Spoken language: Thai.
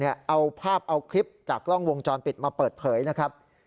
เอาภาพเอาคลิปจากกล้องวงจรปิดมาเปิดเผยนะครับ